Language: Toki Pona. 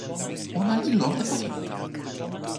ona li lon e poki!